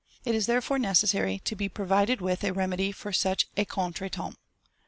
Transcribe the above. It is therefore necessary to be provided with a remedy for such a contretemps.